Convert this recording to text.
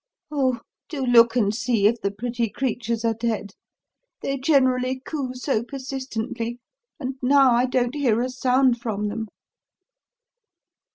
Oh, do look and see if the pretty creatures are dead. They generally coo so persistently; and now I don't hear a sound from them."